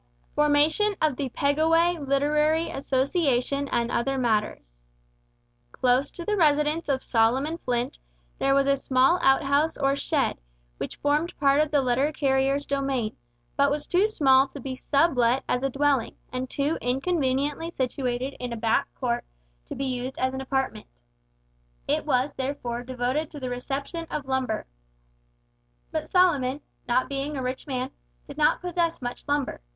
FORMATION OF THE PEGAWAY LITERARY ASSOCIATION AND OTHER MATTERS. Close to the residence of Solomon Flint there was a small outhouse or shed, which formed part of the letter carrier's domain, but was too small to be sub let as a dwelling, and too inconveniently situated in a back court to be used as an apartment. It was therefore devoted to the reception of lumber. But Solomon, not being a rich man, did not possess much lumber.